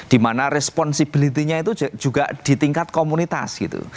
di mana responsibilitinya itu juga di tingkat komunitas gitu